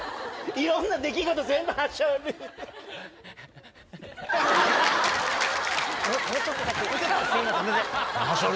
いろんな出来事、全部はしょる。